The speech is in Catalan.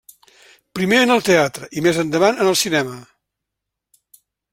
Primer en el teatre i, més endavant, en el cinema.